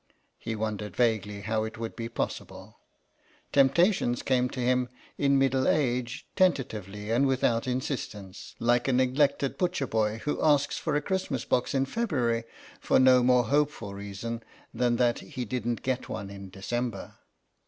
He wondered vaguely how it would be possible. Temptations came to him, in middle age, tentatively and without insistence, like a neglected butcher boy who asks for a Christmas box in February for no more hopeful reason than that he didn't get one in December.